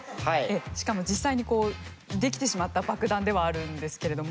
しかも実際に出来てしまった爆弾ではあるんですけれども。